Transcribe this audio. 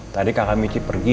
tadi kakak mici pergi